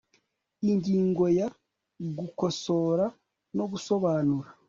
Ingingo ya Gukosora no gusobanura